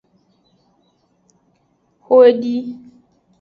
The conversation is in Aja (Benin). Xo edi.